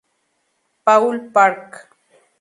Paul Park.